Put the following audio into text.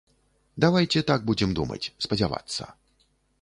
Давайце так будзем думаць, спадзявацца.